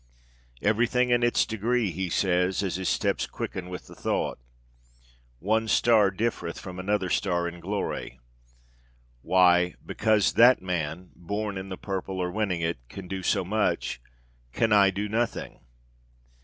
Everything in its degree, he says, as his steps quicken with the thought. One star differeth from another star in glory. Why, because that man, born in the purple or winning it, can do so much, can I do nothing?